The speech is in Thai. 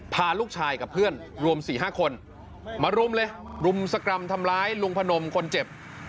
พาลูกชายกับเพื่อนรวม๔๕คนมารุมเลยรุมสกรรมทำร้ายลุงพนมคนเจ็บ